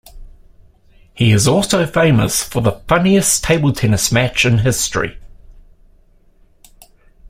He is also famous for the funniest table tennis match in history.